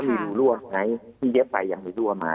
มีหลูรั่วไหมมีทีเย็บฝัยหรือไม่